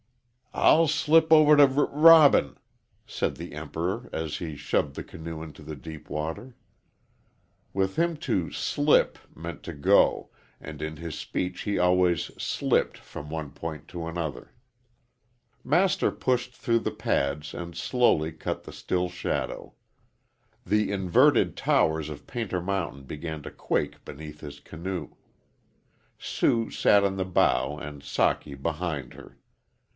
"I'll slip over to R Robin," said the Emperor as he shoved the canoe into deep water. With him to "slip" meant to go, and in his speech he always "slipped" from one point to another. Master pushed through the pads and slowly cut the still shadow. The inverted towers of Painter Mountain began to quake beneath his canoe. Sue sat in the bow and Socky behind her.